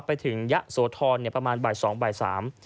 ไปถึงยะโสธรประมาณบ่ายสองบ่ายสาม